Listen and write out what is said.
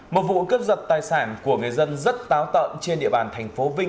một vụ cướp giật tài sản của người dân rất táo tợn trên địa bàn tp vinh